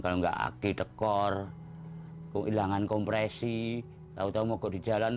kalau nggak aki dekor kehilangan kompresi tau tau mogok di jalan